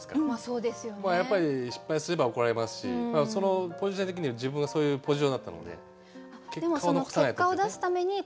やっぱり失敗すれば怒られますしポジション的には自分がそういうポジションだったので結果を残さないとってことでね。